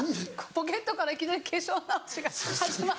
ポケットからいきなり化粧直しが始まった。